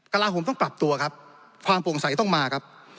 กระลาฮมต้องปรับตัวครับความโปร่งใสต้องมาครับ